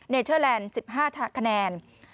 เทอร์แลนด์๑๕คะแนน